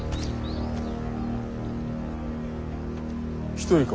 一人か？